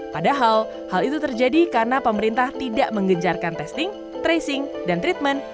padahal hal itu terjadi karena pemerintah tidak menggencarkan testing tracing dan treatment